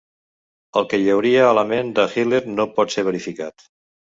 El que hi hauria a la ment de Hitler no pot ser verificat.